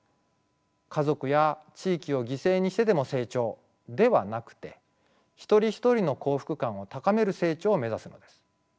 家族や地域を犠牲にしてでも成長ではなくて一人一人の幸福感を高める成長を目指すのです。